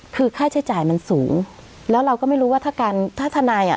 คือค่าใช้จ่ายมันสูงแล้วเราก็ไม่รู้ว่าถ้าการถ้าทนายอ่ะ